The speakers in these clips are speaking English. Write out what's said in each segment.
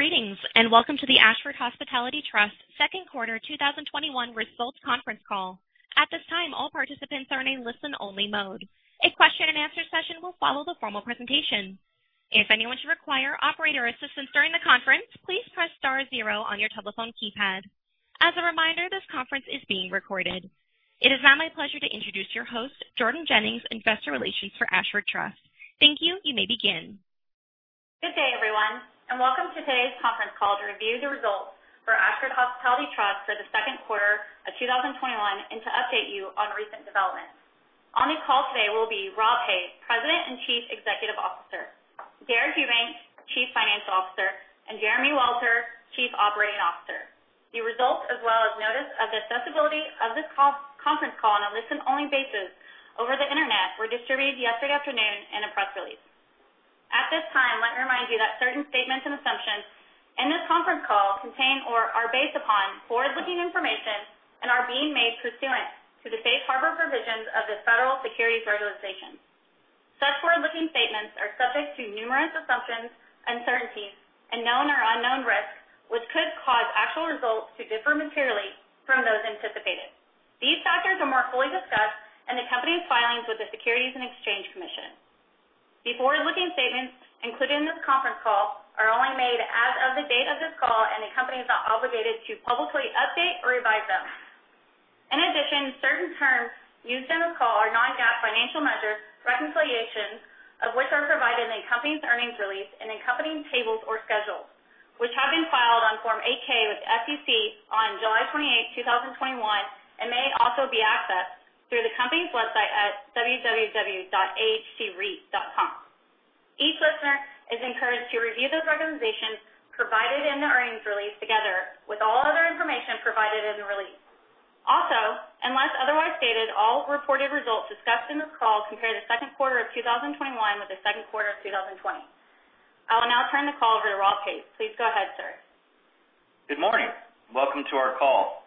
Greetings, and welcome to the Ashford Hospitality Trust second quarter 2021 results conference call. At this time, all participants are in listen-only mode. A question-and-answer session will follow the formal presentation. If anyone should require operator assistance during the conference, please press star star on your telephone keypad. As a reminder, this conference is being recorded. It is now my pleasure to introduce your host, Jordan Jennings, investor relations for Ashford Trust. Thank you. You may begin. Good day, everyone, and welcome to today's conference call to review the results for Ashford Hospitality Trust for the second quarter of 2021 and to update you on recent developments. On the call today will be Rob Hays, President and Chief Executive Officer, Deric Eubanks, Chief Financial Officer, and Jeremy Welter, Chief Operating Officer. The results, as well as notice of the accessibility of this conference call on a listen-only basis over the Internet, were distributed yesterday afternoon in a press release. At this time, let me remind you that certain statements and assumptions in this conference call contain or are based upon forward-looking information and are being made pursuant to the safe harbor provisions of the Federal securities legislation. Such forward-looking statements are subject to numerous assumptions, uncertainties, and known or unknown risks, which could cause actual results to differ materially from those anticipated. These factors are more fully discussed in the company's filings with the Securities and Exchange Commission. The forward-looking statements included in this conference call are only made as of the date of this call, and the company is not obligated to publicly update or revise them. In addition, certain terms used in this call are non-GAAP financial measures, reconciliations of which are provided in the company's earnings release in accompanying tables or schedules, which have been filed on Form 8-K with the SEC on July 28, 2021, and may also be accessed through the company's website at www.ahtreit.com. Each listener is encouraged to review those reconciliations provided in the earnings release together with all other information provided in the release. Also, unless otherwise stated, all reported results discussed in this call compare the second quarter of 2021 with the second quarter of 2020. I will now turn the call over to Rob Hays. Please go ahead, sir. Good morning. Welcome to our call.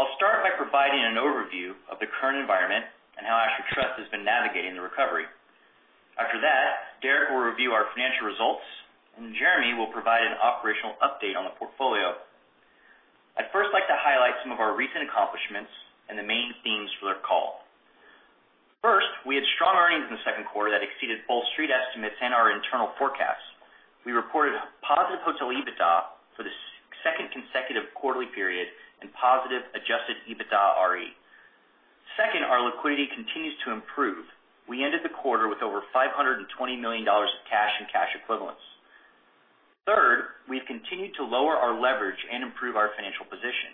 I'll start by providing an overview of the current environment and how Ashford Trust has been navigating the recovery. After that, Deric will review our financial results, and Jeremy will provide an operational update on the portfolio. I'd first like to highlight some of our recent accomplishments and the main themes for the call. First, we had strong earnings in the second quarter that exceeded both Street estimates and our internal forecasts. We reported positive Hotel EBITDA for the second consecutive quarterly period and positive adjusted EBITDAre. Second, our liquidity continues to improve. We ended the quarter with over $520 million of cash and cash equivalents. Third, we've continued to lower our leverage and improve our financial position.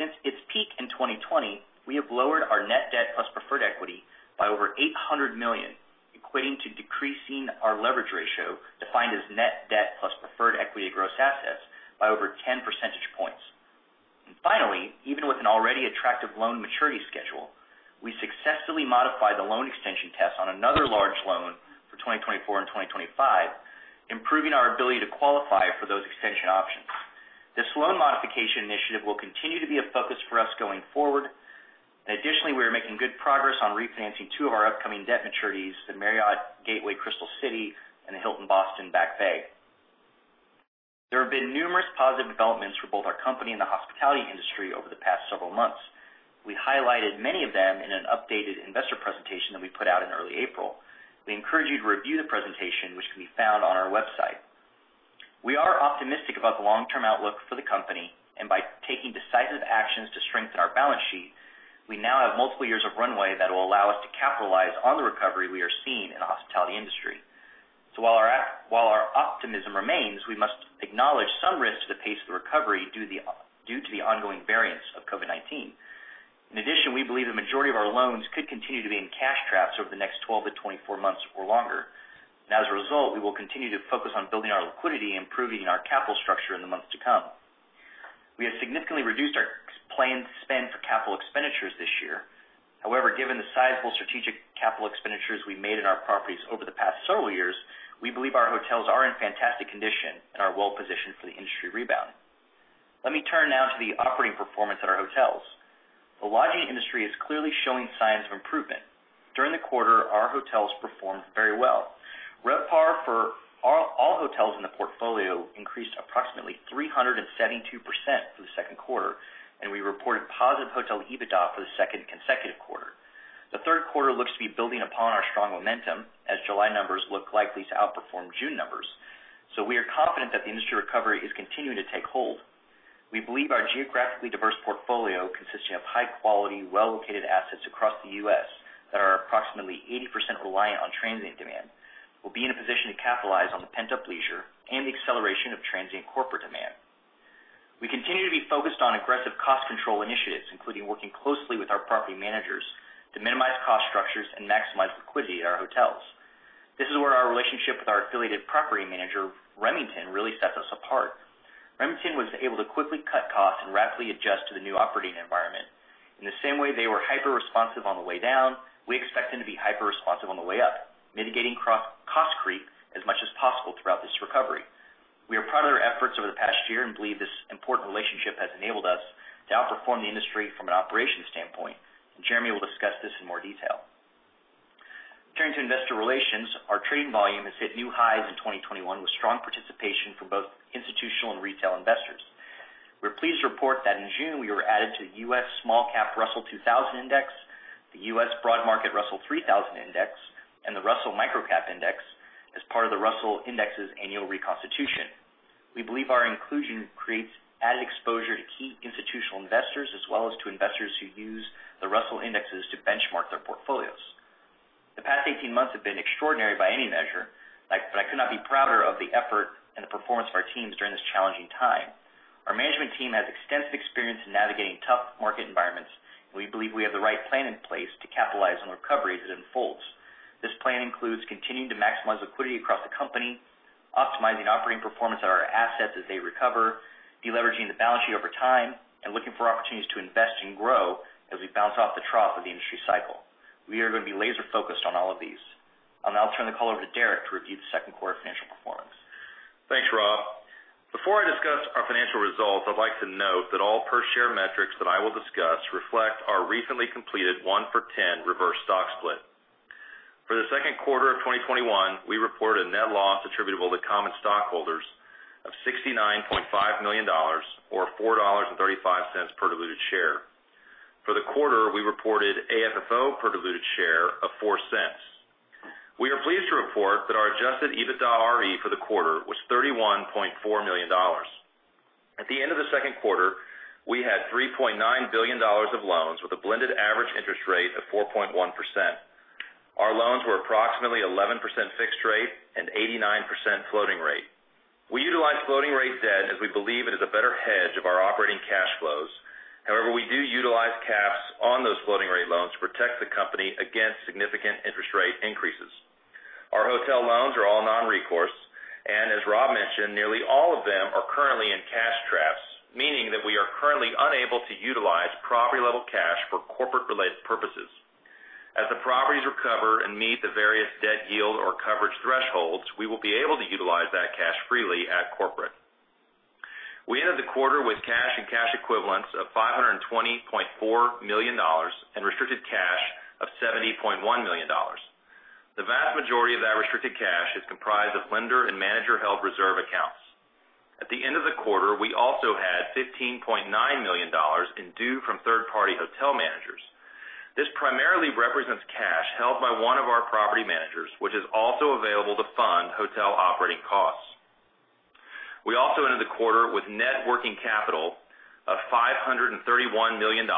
Since its peak in 2020, we have lowered our net debt plus preferred equity by over $800 million, equating to decreasing our leverage ratio, defined as net debt plus preferred equity gross assets, by over 10 percentage points. Finally, even with an already attractive loan maturity schedule, we successfully modified the loan extension test on another large loan for 2024 and 2025, improving our ability to qualify for those extension options. This loan modification initiative will continue to be a focus for us going forward. Additionally, we are making good progress on refinancing two of our upcoming debt maturities, the Crystal Gateway Marriott and the Hilton Boston Back Bay. There have been numerous positive developments for both our company and the hospitality industry over the past several months. We highlighted many of them in an updated investor presentation that we put out in early April. We encourage you to review the presentation, which can be found on our website. By taking decisive actions to strengthen our balance sheet, we now have multiple years of runway that will allow us to capitalize on the recovery we are seeing in the hospitality industry. While our optimism remains, we must acknowledge some risk to the pace of the recovery due to the ongoing variants of COVID-19. In addition, we believe the majority of our loans could continue to be in cash traps over the next 12-24 months or longer. As a result, we will continue to focus on building our liquidity and improving our capital structure in the months to come. We have significantly reduced our planned spend for capital expenditures this year. However, given the sizable strategic capital expenditures we made in our properties over the past several years, we believe our hotels are in fantastic condition and are well-positioned for the industry rebound. Let me turn now to the operating performance at our hotels. The lodging industry is clearly showing signs of improvement. During the quarter, our hotels performed very well. RevPAR for all hotels in the portfolio increased approximately 372% for the second quarter, and we reported positive Hotel EBITDA for the second consecutive quarter. The third quarter looks to be building upon our strong momentum, as July numbers look likely to outperform June numbers. We are confident that the industry recovery is continuing to take hold. We believe our geographically diverse portfolio, consisting of high-quality, well-located assets across the U.S. that are approximately 80% reliant on transient demand, will be in a position to capitalize on the pent-up leisure and the acceleration of transient corporate demand. We continue to be focused on aggressive cost control initiatives, including working closely with our property managers to minimize cost structures and maximize liquidity at our hotels. This is where our relationship with our affiliated property manager, Remington, really sets us apart. Remington was able to quickly cut costs and rapidly adjust to the new operating environment. In the same way they were hyper-responsive on the way down, we expect them to be hyper-responsive on the way up, mitigating cost creep as much as possible throughout this recovery. We are proud of their efforts over the past year and believe this important relationship has enabled us outperform the industry from an operations standpoint, and Jeremy will discuss this in more detail. Turning to investor relations, our trading volume has hit new highs in 2021 with strong participation from both institutional and retail investors. We're pleased to report that in June, we were added to the U.S. small cap Russell 2000 Index, the U.S. broad market Russell 3000 Index, and the Russell Microcap Index as part of the Russell Indexes' annual reconstitution. We believe our inclusion creates added exposure to key institutional investors, as well as to investors who use the Russell Indexes to benchmark their portfolios. The past 18 months have been extraordinary by any measure, I could not be prouder of the effort and the performance of our teams during this challenging time. Our management team has extensive experience in navigating tough market environments. We believe we have the right plan in place to capitalize on recovery as it unfolds. This plan includes continuing to maximize liquidity across the company, optimizing operating performance at our assets as they recover, deleveraging the balance sheet over time, and looking for opportunities to invest and grow as we bounce off the trough of the industry cycle. We are going to be laser-focused on all of these. I'll now turn the call over to Deric to review the second quarter financial performance. Thanks, Rob. Before I discuss our financial results, I'd like to note that all per-share metrics that I will discuss reflect our recently completed 1-for-10 reverse stock split. For the second quarter of 2021, we reported a net loss attributable to common stockholders of $69.5 million, or $4.35 per diluted share. For the quarter, we reported AFFO per diluted share of $0.04. We are pleased to report that our Adjusted EBITDAre for the quarter was $31.4 million. At the end of the second quarter, we had $3.9 billion of loans with a blended average interest rate of 4.1%. Our loans were approximately 11% fixed rate and 89% floating rate. We utilize floating rate debt as we believe it is a better hedge of our operating cash flows. We do utilize caps on those floating rate loans to protect the company against significant interest rate increases. Our hotel loans are all non-recourse, and as Rob mentioned, nearly all of them are currently in cash traps, meaning that we are currently unable to utilize property-level cash for corporate-related purposes. As the properties recover and meet the various debt yield or coverage thresholds, we will be able to utilize that cash freely at corporate. We ended the quarter with cash and cash equivalents of $520.4 million and restricted cash of $70.1 million. The vast majority of that restricted cash is comprised of lender and manager-held reserve accounts. At the end of the quarter, we also had $15.9 million in due from third-party hotel managers. This primarily represents cash held by one of our property managers, which is also available to fund hotel operating costs. We also ended the quarter with net working capital of $531 million,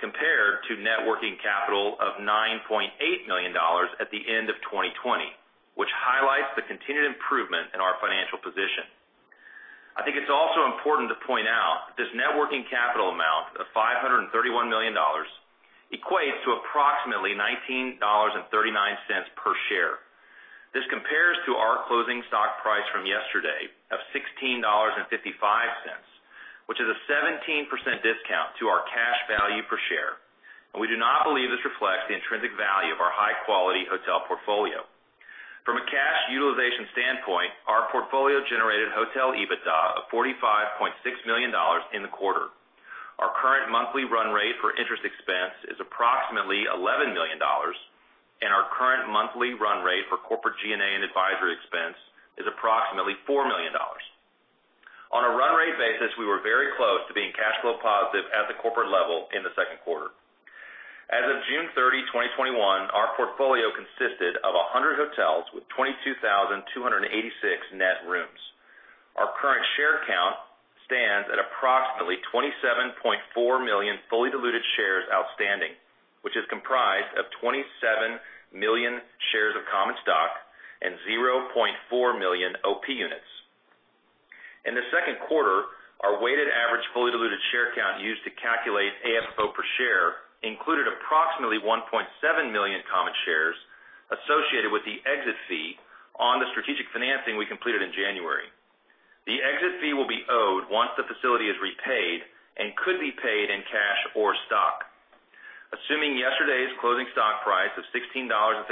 compared to net working capital of $9.8 million at the end of 2020, which highlights the continued improvement in our financial position. I think it's also important to point out that this net working capital amount of $531 million equates to approximately $19.39 per share. This compares to our closing stock price from yesterday of $16.55, which is a 17% discount to our cash value per share, and we do not believe this reflects the intrinsic value of our high-quality hotel portfolio. From a cash utilization standpoint, our portfolio generated Hotel EBITDA of $45.6 million in the quarter. Our current monthly run rate for interest expense is approximately $11 million, and our current monthly run rate for corporate G&A and advisory expense is approximately $4 million. On a run rate basis, we were very close to being cash flow positive at the corporate level in the second quarter. As of June 30, 2021, our portfolio consisted of 100 hotels with 22,286 net rooms. Our current share count stands at approximately 27.4 million fully diluted shares outstanding, which is comprised of 27 million shares of common stock and 0.4 million OP units. In the second quarter, our weighted average fully diluted share count used to calculate AFFO per share included approximately 1.7 million common shares associated with the exit fee on the strategic financing we completed in January. The exit fee will be owed once the facility is repaid and could be paid in cash or stock. Assuming yesterday's closing stock price of $16.55,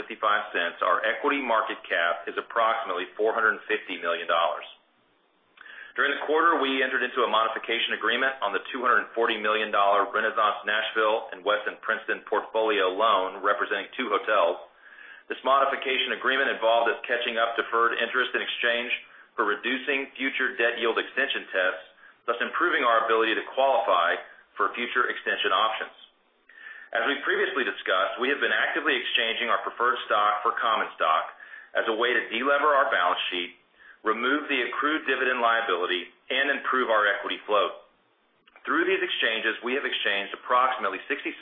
our equity market cap is approximately $450 million. During the quarter, we entered into a modification agreement on the $240 million Renaissance Nashville Hotel and The Westin Princeton at Forrestal Village portfolio loan, representing two hotels. This modification agreement involved us catching up deferred interest in exchange for reducing future debt yield extension tests, thus improving our ability to qualify for future extension options. As we previously discussed, we have been actively exchanging our preferred stock for common stock as a way to de-lever our balance sheet, remove the accrued dividend liability, and improve our equity flow. Through these exchanges, we have exchanged approximately 67%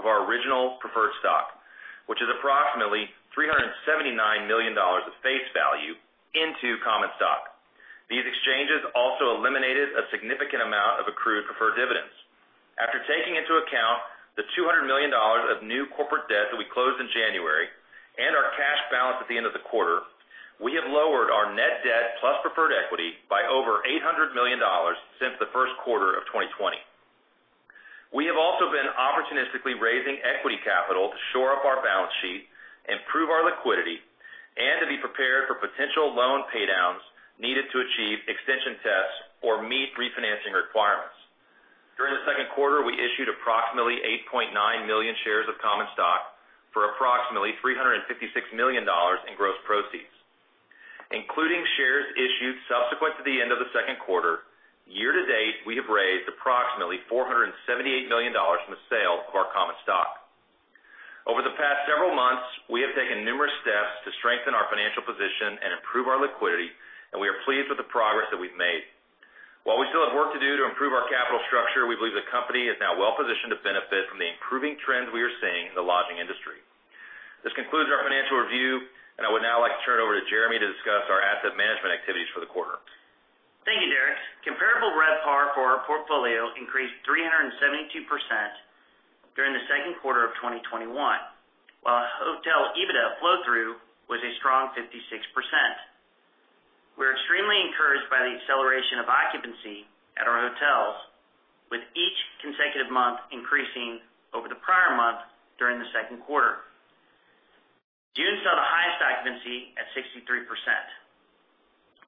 of our original preferred stock, which is approximately $379 million of face value into common stock. These exchanges also eliminated a significant amount of accrued preferred dividends. After taking into account the $200 million of new corporate debt that we closed in January and our cash balance at the end of the quarter, we have lowered our net debt plus preferred equity by over $800 million since the first quarter of 2020. We have also been opportunistically raising equity capital to shore up our balance sheet, improve our liquidity, and to be prepared for potential loan pay-downs needed to achieve extension tests or meet refinancing requirements. During the second quarter, we issued approximately 8.9 million shares of common stock for approximately $356 million in gross proceeds. Including shares issued subsequent to the end of the second quarter, year to date, we have raised approximately $478 million from the sale of our common stock. Over the past several months, we have taken numerous steps to strengthen our financial position and improve our liquidity. We are pleased with the progress that we've made. While we still have work to do to improve our capital structure, we believe the company is now well-positioned to benefit from the improving trends we are seeing in the lodging industry. This concludes our financial review. I would now like to turn it over to Jeremy to discuss our asset management activities for the quarter. Thank you, Deric. Comparable RevPAR for our portfolio increased 372% during the second quarter of 2021, while Hotel EBITDA flow-through was a strong 56%. We are extremely encouraged by the acceleration of occupancy at our hotels, with each consecutive month increasing over the prior month during the second quarter. June saw the highest occupancy at 63%.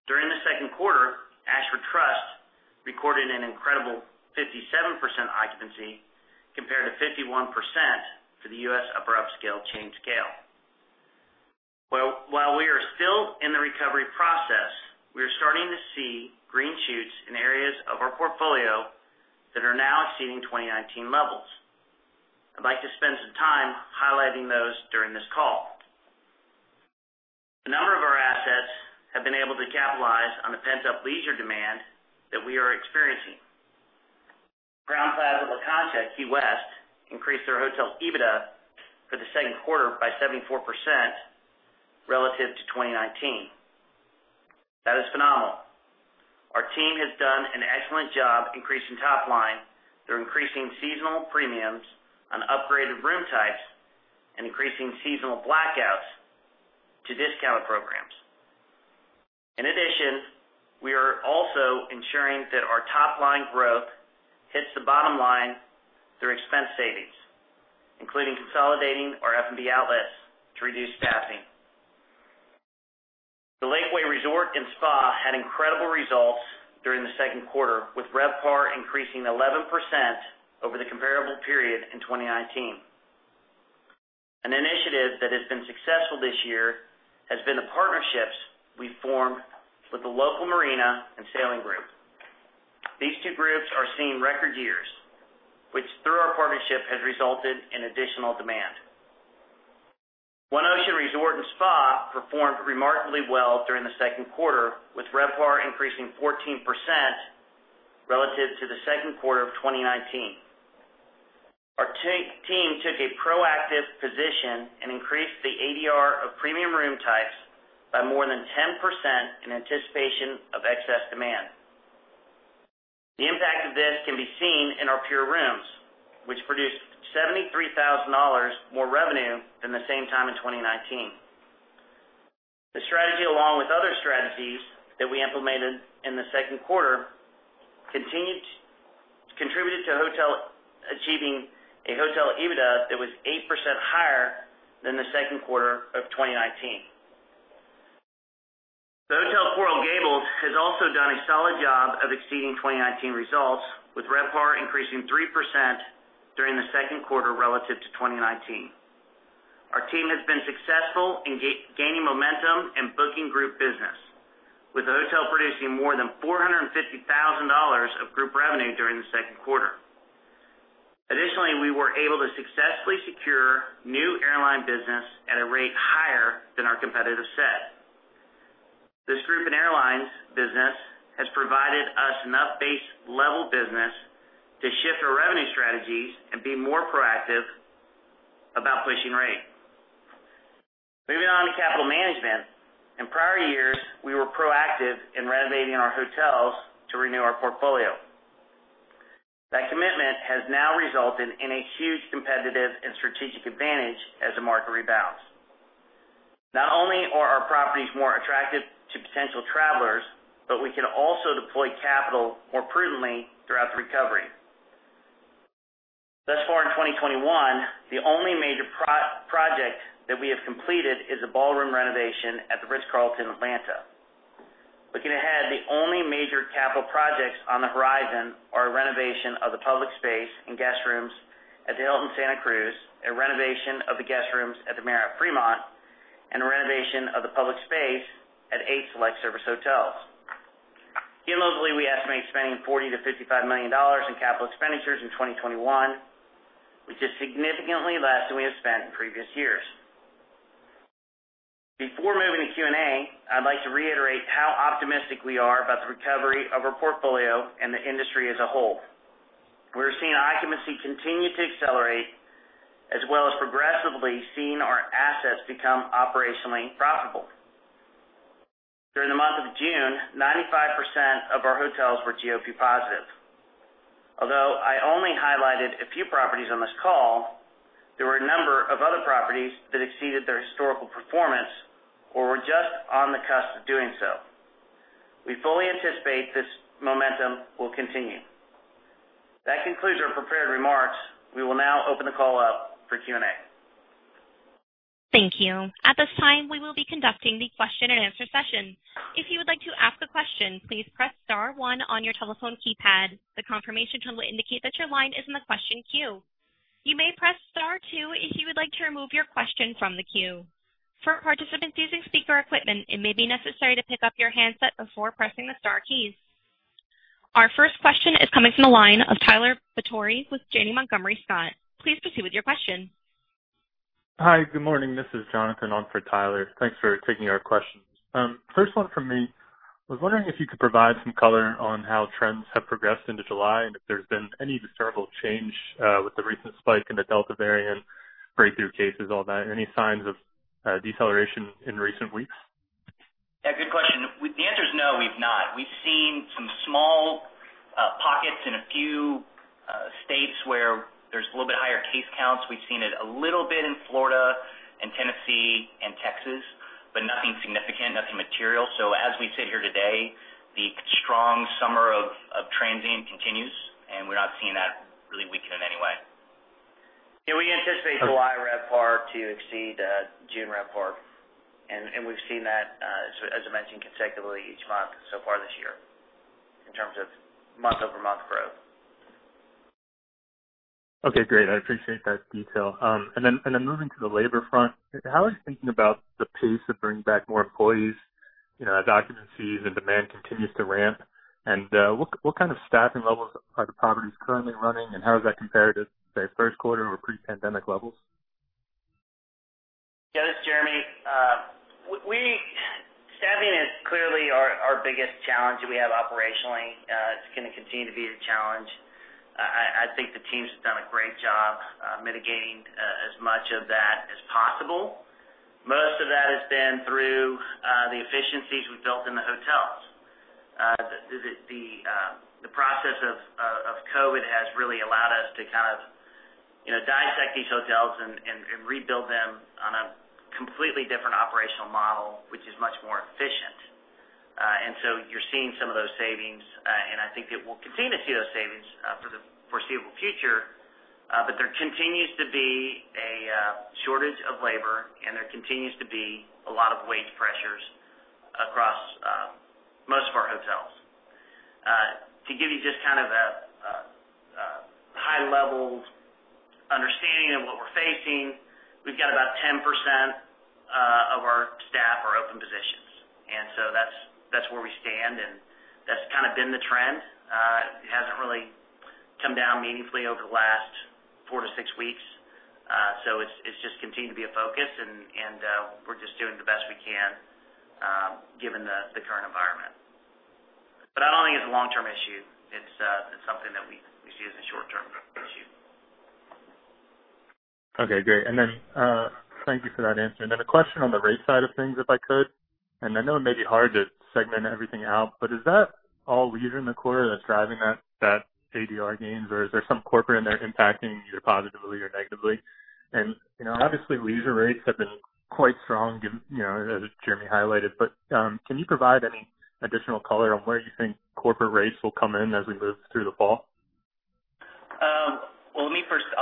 During the second quarter, Ashford Hospitality Trust recorded an incredible 57% occupancy compared to 51% for the U.S. upper upscale chain scale. While we are still in the recovery process, we are starting to see green shoots in areas of our portfolio that are now exceeding 2019 levels. I'd like to spend some time highlighting those during this call. A number of our assets have been able to capitalize on the pent-up leisure demand that we are experiencing. La Concha Key West, Autograph Collection increased their Hotel EBITDA for the second quarter by 74% relative to 2019. That is phenomenal. Our team has done an excellent job increasing top line. They're increasing seasonal premiums on upgraded room types and increasing seasonal blackouts to discount programs. In addition, we are also ensuring that our top-line growth hits the bottom line through expense savings, including consolidating our F&B outlets to reduce staffing. The Lakeway Resort & Spa had incredible results during the second quarter, with RevPAR increasing 11% over the comparable period in 2019. An initiative that has been successful this year has been the partnerships we formed with the local marina and sailing group. These two groups are seeing record years, which through our partnership, has resulted in additional demand. One Ocean Resort & Spa performed remarkably well during the second quarter, with RevPAR increasing 14% relative to the second quarter of 2019. Our team took a proactive position and increased the ADR of premium room types by more than 10% in anticipation of excess demand. The impact of this can be seen in our pure rooms, which produced $73,000 more revenue than the same time in 2019. The strategy, along with other strategies that we implemented in the second quarter, contributed to achieving a Hotel EBITDA that was 8% higher than the second quarter of 2019. has also done a solid job of exceeding 2019 results, with RevPAR increasing 3% during the second quarter relative to 2019. Our team has been successful in gaining momentum and booking group business, with the hotel producing more than $450,000 of group revenue during the second quarter. Additionally, we were able to successfully secure new airline business at a rate higher than our competitive set. This group and airlines business has provided us enough base-level business to shift our revenue strategies and be more proactive about pushing rate. Moving on to capital management. In prior years, we were proactive in renovating our hotels to renew our portfolio. That commitment has now resulted in a huge competitive and strategic advantage as the market rebounds. Not only are our properties more attractive to potential travelers, but we can also deploy capital more prudently throughout the recovery. Thus far in 2021, the only major project that we have completed is the ballroom renovation at The Ritz-Carlton, Atlanta. Looking ahead, the only major capital projects on the horizon are a renovation of the public space and guest rooms at the Hilton Santa Cruz, a renovation of the guest rooms at the Marriott Fremont, and a renovation of the public space at eight select service hotels. In total, we estimate spending $40 million-$55 million in CapEx in 2021, which is significantly less than we have spent in previous years. Before moving to Q&A, I'd like to reiterate how optimistic we are about the recovery of our portfolio and the industry as a whole. We're seeing occupancy continue to accelerate, as well as progressively seeing our assets become operationally profitable. During the month of June, 95% of our hotels were GOP positive. Although I only highlighted a few properties on this call, there were a number of other properties that exceeded their historical performance or were just on the cusp of doing so. We fully anticipate this momentum will continue. That concludes our prepared remarks. We will now open the call up for Q&A. Thank you. At this time we will be conducting the question and answer session. If you would like to ask a question, please press star one on your telephone keypad. The confirmation tone will indicate that your line is in the question queue. You may press star two if you would like to remove your question from the queue. For participants using speaker equipment, it may be necessary to pick up your handset before pressing the star keys. Our first question is coming from the line of Tyler Batory with Janney Montgomery Scott. Please proceed with your question. Hi. Good morning. This is Jonathan on for Tyler. Thanks for taking our questions. First one from me, I was wondering if you could provide some color on how trends have progressed into July, and if there's been any discernible change, with the recent spike in the Delta variant breakthrough cases, all that. Any signs of deceleration in recent weeks? Yeah, good question. The answer is no, we've not. We've seen some small pockets in a few states where there's a little bit higher case counts. We've seen it a little bit in Florida and Tennessee and Texas, but nothing significant, nothing material. As we sit here today, the strong summer of transient continues, and we're not seeing that really weaken in any way. Yeah, we anticipate July RevPAR to exceed June RevPAR, and we've seen that, as I mentioned, consecutively each month so far this year, in terms of month-over-month growth. Okay, great. I appreciate that detail. Moving to the labor front, how are you thinking about the pace of bringing back more employees, as occupancies and demand continues to ramp? What kind of staffing levels are the properties currently running and how does that compare to, say, first quarter or pre-pandemic levels? Yeah, this is Jeremy. Staffing is clearly our biggest challenge that we have operationally. It's going to continue to be a challenge. I think the teams have done a great job mitigating as much of that as possible. Most of that has been through the efficiencies we've built in the hotels. The process of COVID has really allowed us to kind of dissect these hotels and rebuild them on a completely different operational model, which is much more efficient. You're seeing some of those savings, and I think that we'll continue to see those savings for the foreseeable future. There continues to be a shortage of labor, and there continues to be a lot of wage pressures across most of our hotels. To give you just kind of a high-level understanding of what we're facing, we've got about 10% of our staff are open positions, and so that's where we stand, and that's kind of been the trend. It hasn't really come down meaningfully over the last four to six weeks. It's just continued to be a focus and we're just doing the best we can given the current environment. I don't think it's a long-term issue. It's something that we see as a short-term issue. Okay, great. Thank you for that answer. A question on the rate side of things, if I could, and I know it may be hard to segment everything out, but is that all leisure in the quarter that's driving that ADR gains or is there some corporate in there impacting either positively or negatively? Obviously leisure rates have been quite strong, as Jeremy highlighted. Can you provide any additional color on where you think corporate rates will come in as we move through the fall?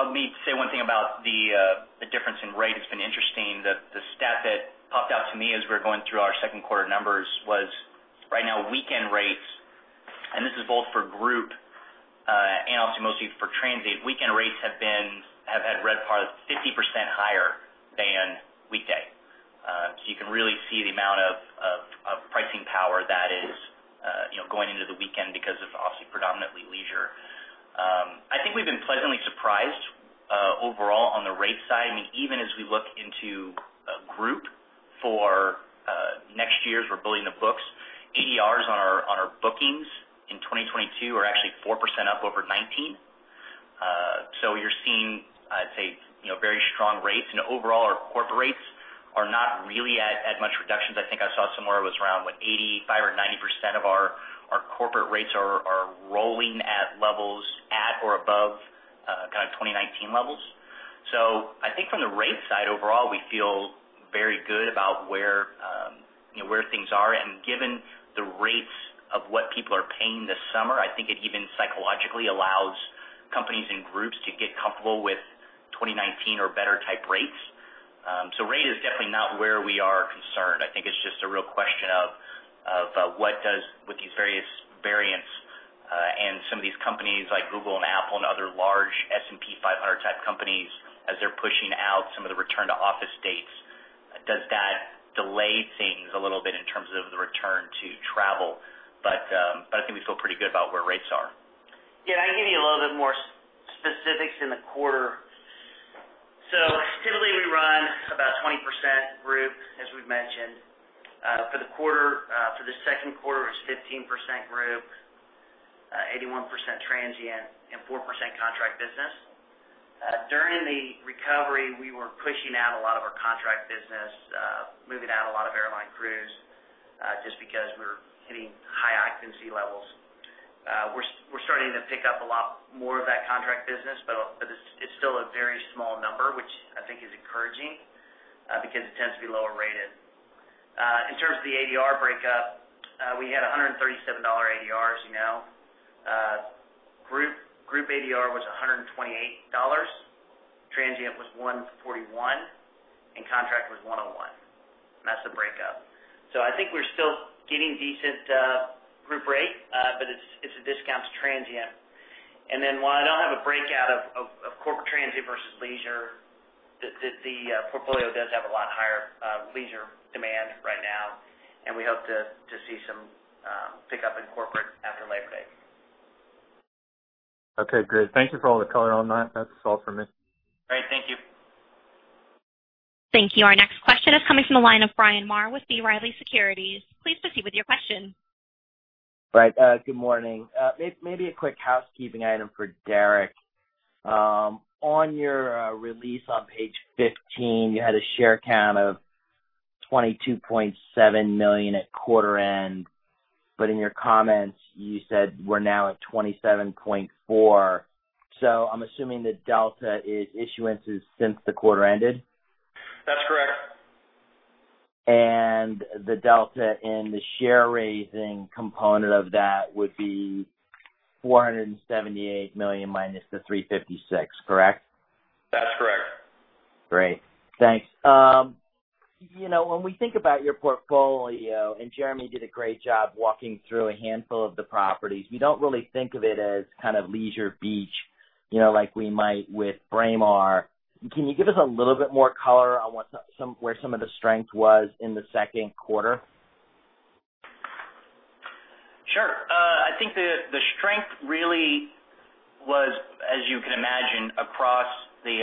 Let me say one thing about the difference in rate. It's been interesting. The stat that popped out to me as we were going through our second quarter numbers was right now weekend rates, and this is both for group, and obviously mostly for transient, weekend rates have had RevPAR that's 50% higher than weekday. You can really see the amount of pricing power that is going into the weekend because of obviously predominantly leisure. I think we've been pleasantly surprised overall on the rate side. Even as we look into group for next year as we're building the books, ADRs on our bookings in 2022 are actually 4% up over 2019. You're seeing, I'd say, very strong rates, and overall our corporate rates are not really at much reductions. I think I saw somewhere it was around, what, 85% or 90% of our corporate rates are rolling at levels at or above kind of 2019 levels. I think from the rate side overall, we feel very good about where things are. Given the rates of what people are paying this summer, I think it even psychologically allows companies and groups to get comfortable with 2019 or better type rates. Rate is definitely not where we are concerned. I think it's just a real question of what does with these various variants, and some of these companies like Google and Apple and other large S&P 500 type companies, as they're pushing out some of the return-to-office dates, does that delay things a little bit in terms of the return to travel? I think we feel pretty good about where rates are. Yeah, I can give you a little bit more specifics in the quarter. Typically we run about 20% group, as we've mentioned. For the second quarter, it was 15% group, 81% transient, and 4% contract business. During the recovery, we were pushing out a lot of our contract business, moving out a lot of airline crews, just because we were hitting high occupancy levels. We are starting to pick up a lot more of that contract business, but it's still a very small number, which I think is encouraging, because it tends to be lower rated. In terms of the ADR breakup, we had $137 ADRs. Group ADR was $128. Transient was $141, and contract was $101. That's the breakup. I think we're still getting decent group rate, but it's a discount to transient. While I don't have a breakout of corporate transient versus leisure, the portfolio does have a lot higher leisure demand right now, and we hope to see some pickup in corporate after Labor Day. Okay, great. Thank you for all the color on that. That's all for me. Great. Thank you. Thank you. Our next question is coming from the line of Bryan Maher with B. Riley Securities. Please proceed with your question. Good morning. Maybe a quick housekeeping item for Deric. On your release on Page 15, you had a share count of $22.7 million at quarter end. In your comments, you said we're now at $27.4 million. I'm assuming the delta is issuances since the quarter ended? That's correct. The delta in the share raising component of that would be $478 million minus the $356 million, correct? That's correct. Great. Thanks. When we think about your portfolio, and Jeremy did a great job walking through a handful of the properties, we don't really think of it as leisure beach, like we might with Braemar. Can you give us a little bit more color on where some of the strength was in the second quarter? Sure. I think the strength really was, as you can imagine, across the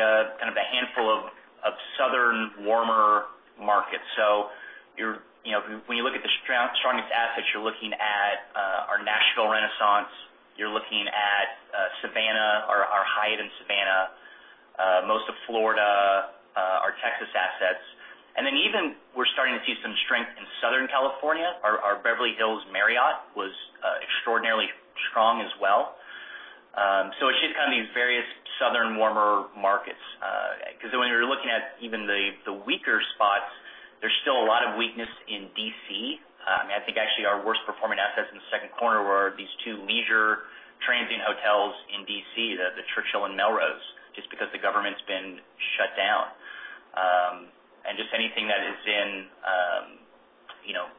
handful of southern warmer markets. When you look at the strongest assets, you're looking at our Renaissance Nashville Hotel, you're looking at our Hyatt Regency Savannah, most of Florida, our Texas assets. Even we're starting to see some strength in Southern California. Our Marriott Beverly Hills was extraordinarily strong as well. It's just these various southern warmer markets. When you're looking at even the weaker spots, there's still a lot of weakness in D.C. I think actually our worst performing assets in the second quarter were these two leisure transient hotels in D.C., The Churchill and The Melrose, just because the government's been shut down. Anything that is in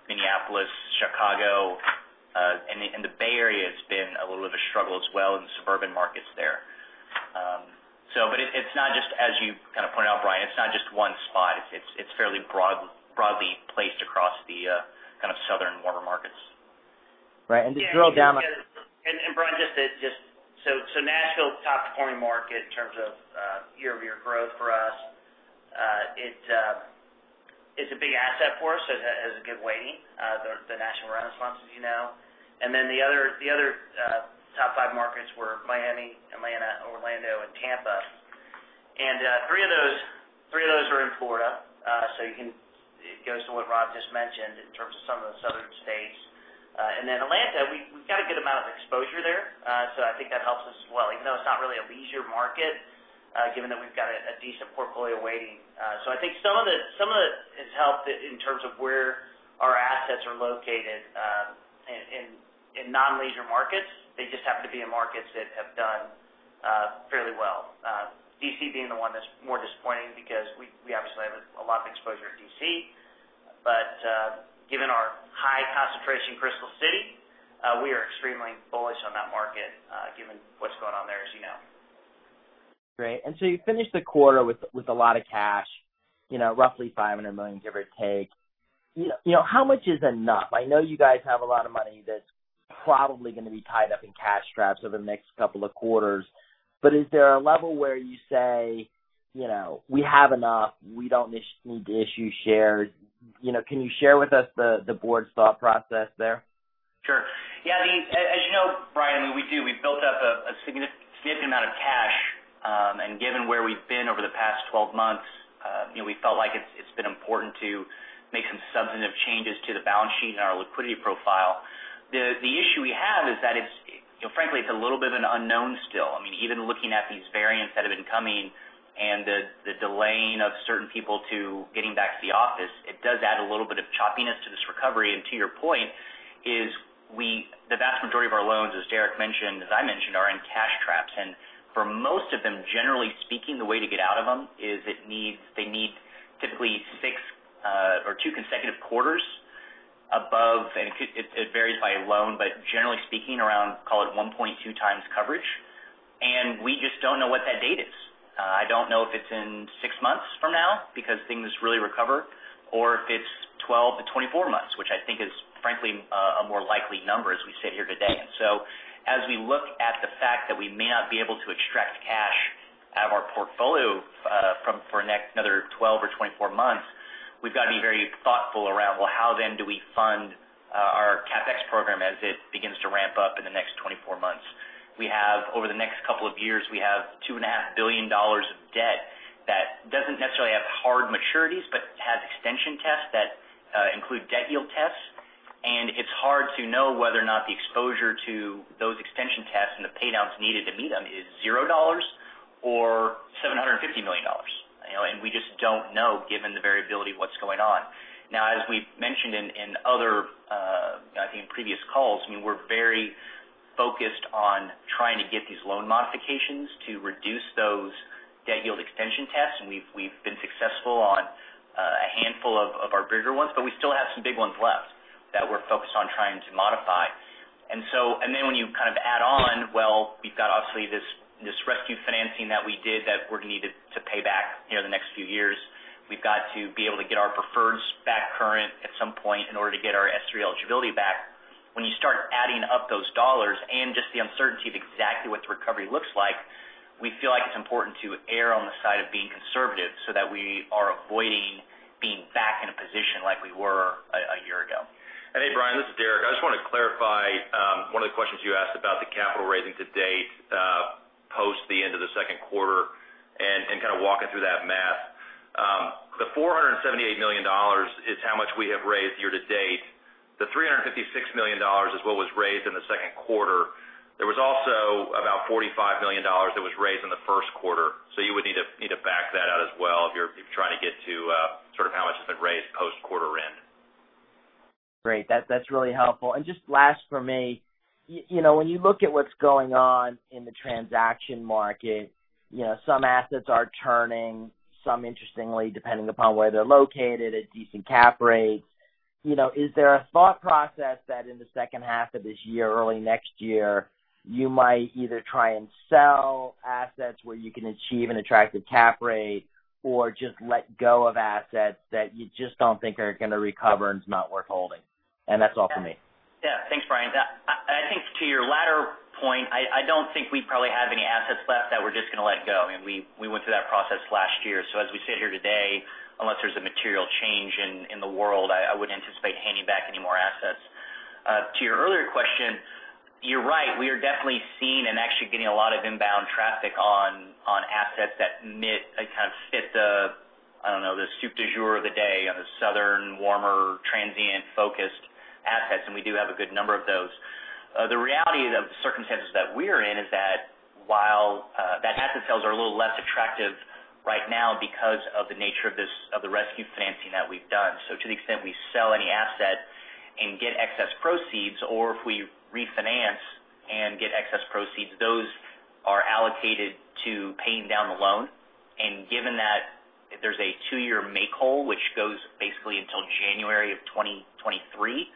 Minneapolis, Chicago, and the Bay Area has been a little of a struggle as well in the suburban markets there. As you pointed out, Bryan, it's not just one spot. It's fairly broadly placed across the southern warmer markets. Right. To drill down. Bryan, Nashville, top-performing market in terms of year-over-year growth for us. It's a big asset for us, so it has a good weighting, the Nashville Renaissance, as you know. The other top five markets were Miami, Atlanta, Orlando, and Tampa. Three of those are in Florida. It goes to what Rob just mentioned in terms of some of the southern states. Atlanta, we've got a good amount of exposure there. I think that helps us as well, even though it's not really a leisure market, given that we've got a decent portfolio weighting. I think some of it has helped in terms of where our assets are located in non-leisure markets. They just happen to be in markets that have done fairly well. D.C. being the one that's more disappointing because we obviously have a lot of exposure to D.C. Given our high concentration in Crystal City, we are extremely bullish on that market given what's going on there, as you know. Great. You finished the quarter with a lot of cash, roughly $500 million, give or take. How much is enough? I know you guys have a lot of money that's probably going to be tied up in cash straps over the next couple of quarters, but is there a level where you say, "We have enough. We don't need to issue shares." Can you share with us the board's thought process there? Sure. As you know, Bryan, we do. We've built up a significant amount of cash, and given where we've been over the past 12 months, we felt like it's been important to make some substantive changes to the balance sheet and our liquidity profile. The issue we have is that frankly, it's a little bit of an unknown still. Even looking at these variants that have been coming and the delaying of certain people to getting back to the office, it does add a little bit of choppiness to this recovery. To your point is the vast majority of our loans, as Deric mentioned, as I mentioned, are in cash traps. For most of them, generally speaking, the way to get out of them is they need typically two consecutive quarters above, and it varies by loan, but generally speaking around, call it 1.2x coverage, and we just don't know what that date is. I don't know if it's in six months from now because things really recover or if it's 12-24 months, which I think is frankly a more likely number as we sit here today. As we look at the fact that we may not be able to extract cash out of our portfolio for another 12 or 24 months, we've got to be very thoughtful around, well, how then do we fund our CapEx program as it begins to ramp up in the next 24 months? Over the next couple of years, we have $2.5 billion of debt securities but has extension tests that include debt yield tests. It's hard to know whether or not the exposure to those extension tests and the pay-downs needed to meet them is $0 or $750 million. We just don't know, given the variability of what's going on. Now, as we've mentioned in other, I think, previous calls, we're very focused on trying to get these loan modifications to reduce those debt yield extension tests, and we've been successful on a handful of our bigger ones, but we still have some big ones left that we're focused on trying to modify. When you add on, well, we've got obviously this rescue financing that we did that we're going to need to pay back the next few years. We've got to be able to get our preferreds back current at some point in order to get our S-3 eligibility back. When you start adding up those dollars and just the uncertainty of exactly what the recovery looks like, we feel like it's important to err on the side of being conservative so that we are avoiding being back in a position like we were a year ago. Hey, Bryan, this is Deric. I just wanted to clarify one of the questions you asked about the capital raising to date post the end of the second quarter and kind of walking through that math. The $478 million is how much we have raised year to date. The $356 million is what was raised in the second quarter. There was also about $45 million that was raised in the first quarter. You would need to back that out as well if you're trying to get to sort of how much has been raised post-quarter end. Great. That's really helpful. Just last from me, when you look at what's going on in the transaction market, some assets are turning, some interestingly, depending upon where they're located, at decent cap rates. Is there a thought process that in the second half of this year or early next year, you might either try and sell assets where you can achieve an attractive cap rate or just let go of assets that you just don't think are going to recover and it's not worth holding? That's all from me. Yeah. Thanks, Bryan. I think to your latter point, I don't think we probably have any assets left that we're just going to let go. I mean, we went through that process last year. As we sit here today, unless there's a material change in the world, I would anticipate handing back any more assets. To your earlier question, you're right, we are definitely seeing and actually getting a lot of inbound traffic on assets that kind of fit the, I don't know, the soup du jour of the day on the Southern, warmer, transient-focused assets, and we do have a good number of those. The reality of the circumstances that we're in is that while that asset sales are a little less attractive right now because of the nature of the rescue financing that we've done. To the extent we sell any asset and get excess proceeds, or if we refinance and get excess proceeds, those are allocated to paying down the loan. Given that there's a two-year make whole, which goes basically until January 2023,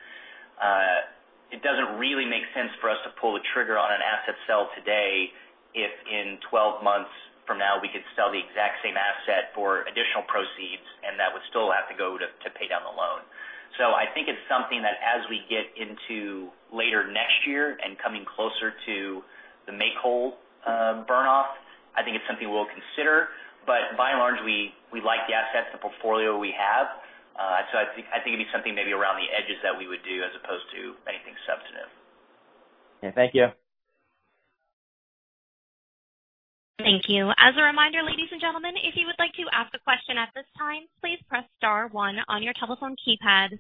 it doesn't really make sense for us to pull the trigger on an asset sale today if in 12 months from now, we could sell the exact same asset for additional proceeds, and that would still have to go to pay down the loan. I think it's something that as we get into later next year and coming closer to the make-whole burn-off, I think it's something we'll consider. By and large, we like the assets, the portfolio we have. I think it'd be something maybe around the edges that we would do as opposed to anything substantive. Okay. Thank you. Thank you. As a reminder, ladies and gentlemen, if you would like to ask a question at this time, please press star one on your telephone keypad.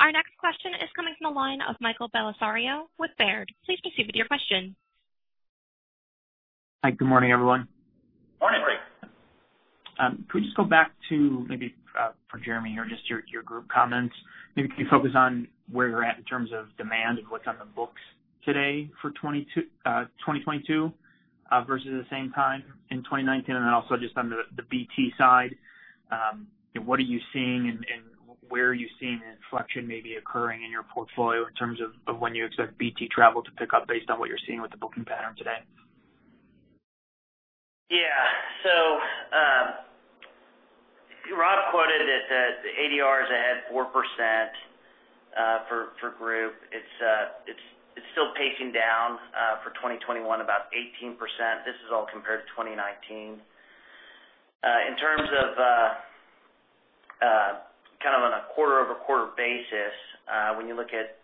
Our next question is coming from the line of Michael Bellisario with Baird. Please proceed with your question. Hi. Good morning, everyone. Morning. Can we just go back to maybe for Jeremy here, just your group comments. Maybe can you focus on where you're at in terms of demand and what's on the books today for 2022 versus the same time in 2019? Also just on the BT side, what are you seeing and where are you seeing an inflection maybe occurring in your portfolio in terms of when you expect BT travel to pick up based on what you're seeing with the booking pattern today? Rob quoted that the ADR is ahead 4% for group. It's still pacing down for 2021, about 18%. This is all compared to 2019. In terms of kind of on a quarter-over-quarter basis, when you look at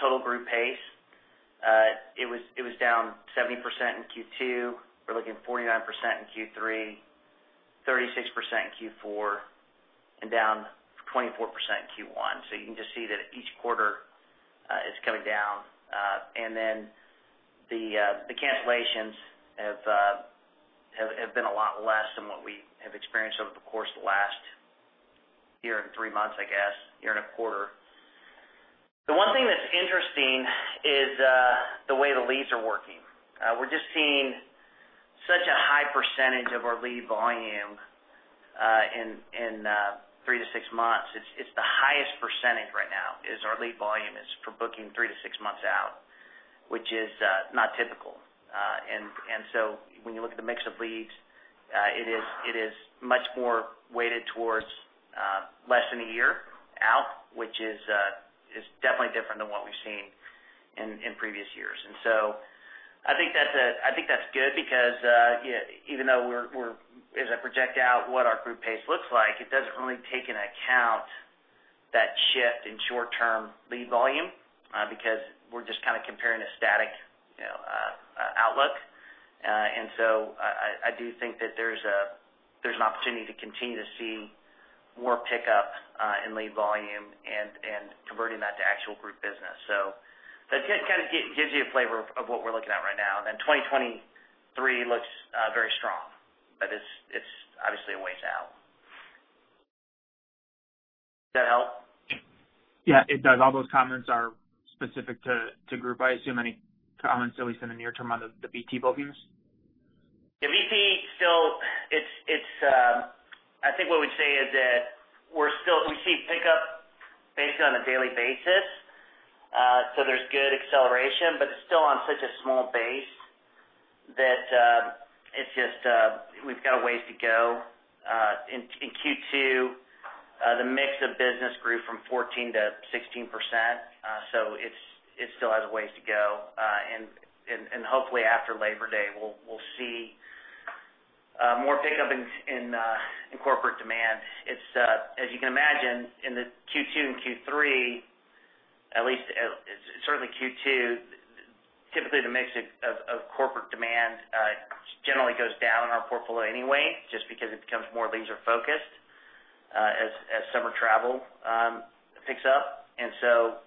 total group pace, it was down 70% in Q2. We're looking 49% in Q3, 36% in Q4, and down 24% in Q1. You can just see that each quarter is coming down. The cancellations have been a lot less than what we have experienced over the course of the last one year and three months, I guess, one year and a quarter. The one thing that's interesting is the way the leads are working. We're just seeing such a high percentage of our lead volume in three to six months. It's the highest percentage right now is our lead volume is for booking three to six months out, which is not typical. When you look at the mix of leads, it is much more weighted towards less than one year out, which is definitely different than what we've seen in previous years. I think that's good because even though as I project out what our group pace looks like, it doesn't really take into account that shift in short-term lead volume because we're just kind of comparing a static Outlook. I do think that there's an opportunity to continue to see more pickup in lead volume and converting that to actual group business. That gives you a flavor of what we're looking at right now. 2023 looks very strong, but it's obviously a ways out. Does that help? Yeah. It does. All those comments are specific to group, I assume. Any comments at least in the near term on the BT bookings? The BT, I think what we'd say is that we see pickup basically on a daily basis. There's good acceleration, but it's still on such a small base that we've got a ways to go. In Q2, the mix of business grew from 14%-16%, so it still has a ways to go. Hopefully after Labor Day, we'll see more pickup in corporate demand. As you can imagine, in the Q2 and Q3, certainly Q2, typically the mix of corporate demand generally goes down in our portfolio anyway, just because it becomes more leisure-focused as summer travel picks up.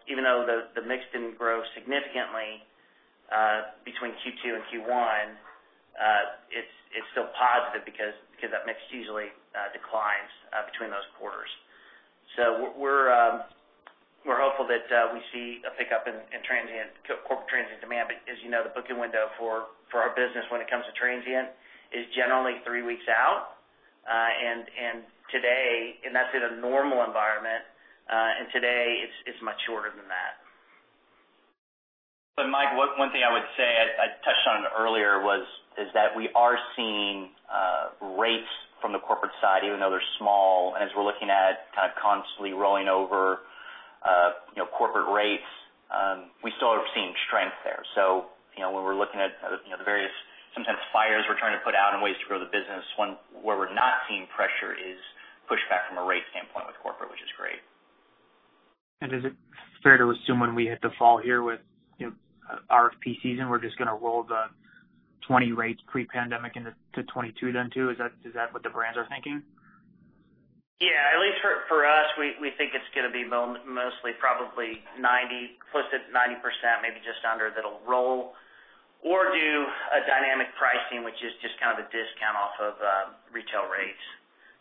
Even though the mix didn't grow significantly between Q2 and Q1, it's still positive because that mix usually declines between those quarters. We're hopeful that we see a pickup in corporate transient demand. As you know, the booking window for our business when it comes to transient is generally three weeks out. That's in a normal environment. Today it's much shorter than that. Michael, one thing I would say, I touched on it earlier, is that we are seeing rates from the corporate side, even though they're small. As we're looking at constantly rolling over corporate rates, we still are seeing strength there. When we're looking at the various sometimes fires we're trying to put out and ways to grow the business, where we're not seeing pressure is pushback from a rate standpoint with corporate, which is great. Is it fair to assume when we hit the fall here with RFP season, we're just going to roll the 2020 rates pre-pandemic into 2022 then too? Is that what the brands are thinking? Yeah. At least for us, we think it's going to be mostly probably close to 90%, maybe just under, that'll roll or do a dynamic pricing, which is just a discount off of retail rates.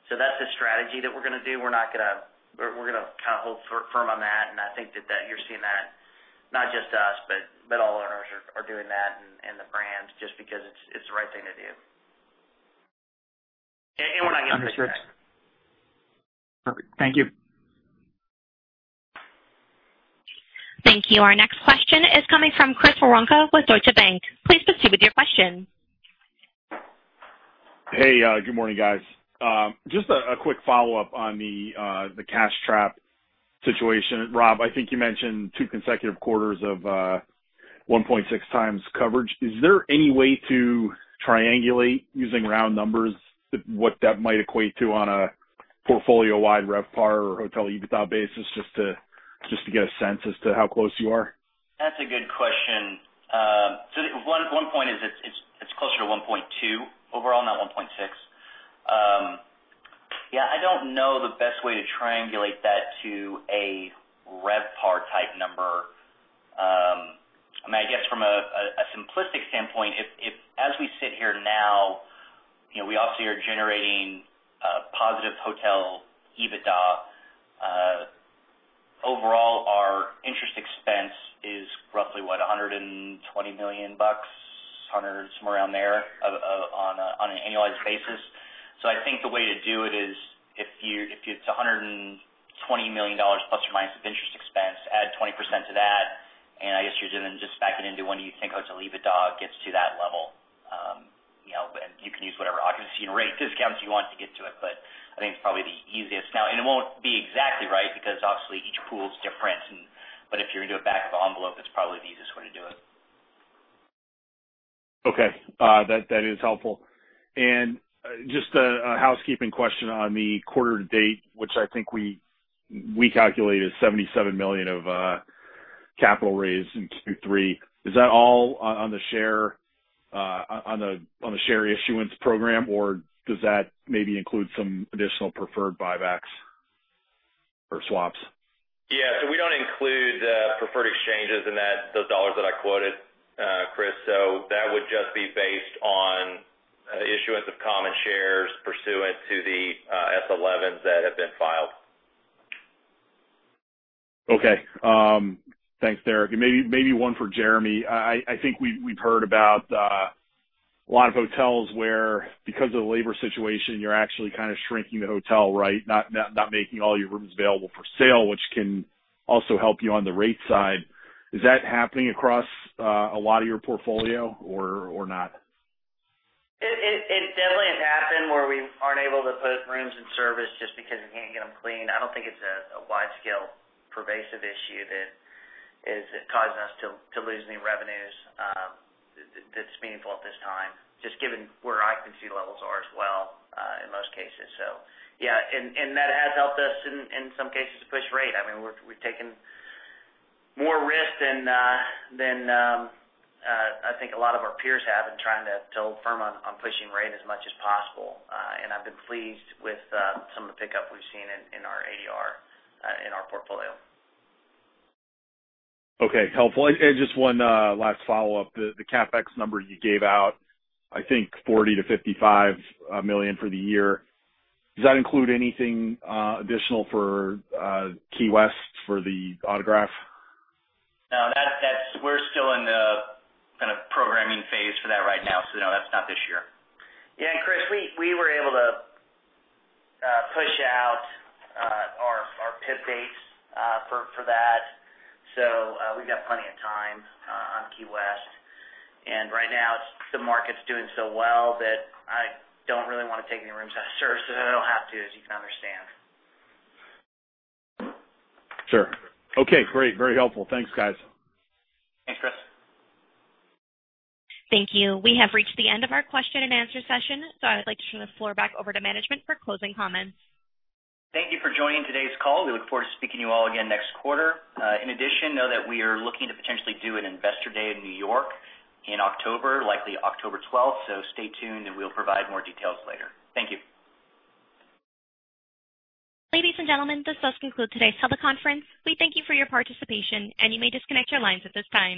That's the strategy that we're going to do. We're going to hold firm on that, and I think that you're seeing that, not just us, but all owners are doing that and the brands, just because it's the right thing to do. Perfect. Thank you. Thank you. Our next question is coming from Chris Woronka with Deutsche Bank. Please proceed with your question. Hey, good morning, guys. Just a quick follow-up on the cash trap situation. Rob, I think you mentioned two consecutive quarters of 1.6x coverage. Is there any way to triangulate using round numbers what that might equate to on a portfolio-wide RevPAR or Hotel EBITDA basis just to get a sense as to how close you are? That's a good question. One point is it's closer to 1.2x overall, not 1.6x. I don't know the best way to triangulate that to a RevPAR-type number. I guess from a simplistic standpoint, as we sit here now, we also are generating positive Hotel EBITDA. Overall, our interest expense is roughly, what? $120 million, somewhere around there, on an annualized basis. I think the way to do it is if it's $120 million plus or minus of interest expense, add 20% to that, and I guess you're doing just backing into when you think Hotel EBITDA gets to that level. You can use whatever occupancy and rate discounts you want to get to it, but I think it's probably the easiest. It won't be exactly right because obviously each pool's different. If you're going to do a back of envelope, it's probably the easiest way to do it. Okay. That is helpful. Just a housekeeping question on the quarter to date, which I think we calculated $77 million of capital raised in Q3. Is that all on the share issuance program, or does that maybe include some additional preferred buybacks or swaps? Yeah. We don't include preferred exchanges in those dollars that I quoted, Chris. That would just be based on issuance of common shares pursuant to the S-11s that have been filed. Okay. Thanks, Deric. Maybe one for Jeremy. I think we've heard about a lot of hotels where, because of the labor situation, you're actually kind of shrinking the hotel, right? Not making all your rooms available for sale, which can also help you on the rate side. Is that happening across a lot of your portfolio or not? It definitely has happened where we aren't able to put rooms in service just because we can't get them clean. I don't think it's a wide-scale pervasive issue that is causing us to lose any revenues that's meaningful at this time, just given where occupancy levels are as well in most cases. Yeah, that has helped us in some cases to push rate. We've taken more risk than I think a lot of our peers have in trying to hold firm on pushing rate as much as possible. I've been pleased with some of the pickup we've seen in our ADR in our portfolio. Okay. Helpful. Just one last follow-up. The CapEx number you gave out, I think $40 million-$55 million for the year, does that include anything additional for Key West for the Autograph? No, we're still in the programming phase for that right now. No, that's not this year. Chris, we were able to push out our PIP dates for that. We've got plenty of time on Key West. Right now, the market's doing so well that I don't really want to take any rooms out of service, I don't have to, as you can understand. Sure. Okay, great. Very helpful. Thanks, guys. Thanks, Chris. Thank you. We have reached the end of our question and answer session. I would like to turn the floor back over to management for closing comments. Thank you for joining today's call. We look forward to speaking to you all again next quarter. In addition, know that we are looking to potentially do an investor day in New York in October, likely October 12th. Stay tuned, and we'll provide more details later. Thank you. Ladies and gentlemen, this does conclude today's teleconference. We thank you for your participation, and you may disconnect your lines at this time.